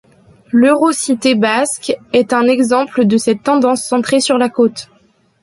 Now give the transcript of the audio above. L'Eurocité basque est un exemple de cette tendance centrée sur la côte.